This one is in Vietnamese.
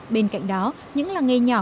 bên cạnh đó những làng nghề nhỏ